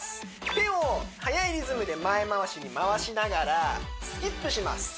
手を速いリズムで前回しに回しながらスキップします